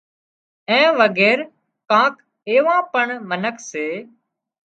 اين وڳير ڪانڪ ايوان پڻ منک سي